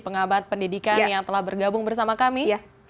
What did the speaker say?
pengabat pendidikan yang telah bergabung bersama kami